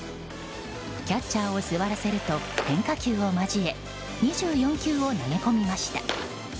キャッチャーを座らせると変化球を交え２４球を投げ込みました。